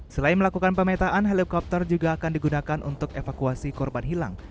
selain melakukan pemetaan helikopter juga akan digunakan untuk evakuasi korban hilang